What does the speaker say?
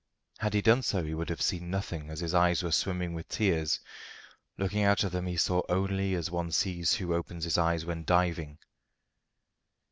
Had he done so he would have seen nothing, as his eyes were swimming with tears. Looking out of them he saw only as one sees who opens his eyes when diving.